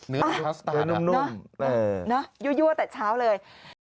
เนื้อนุ่มเนอะยั่วแต่เช้าเลย